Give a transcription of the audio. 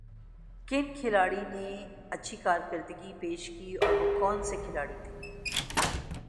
کن کھلاڑی نے اچھ کارکردگی پیشہ کی اور وہ کونہ سے کھلاڑی تھے